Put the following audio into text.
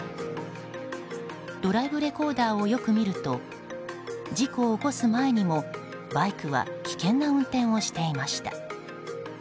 ドライブレコーダーをよく見ると事故を起こす前にも、バイクは危険な運転をしていました。